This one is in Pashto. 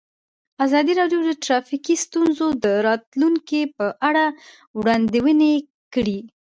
ازادي راډیو د ټرافیکي ستونزې د راتلونکې په اړه وړاندوینې کړې.